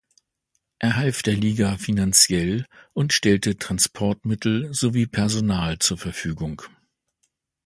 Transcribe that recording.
Er half der Liga finanziell und stellte Transportmittel sowie Personal zur Verfügung.